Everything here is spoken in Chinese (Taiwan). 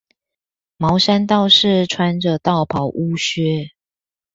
茅山道士穿著道袍烏靴